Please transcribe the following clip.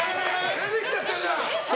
出てきちゃったじゃん！